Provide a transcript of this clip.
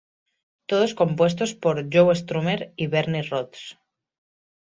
Todos compuestos por Joe Strummer y Bernie Rhodes.